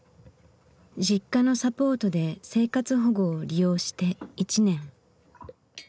Ｊｉｋｋａのサポートで生活保護を利用して１年。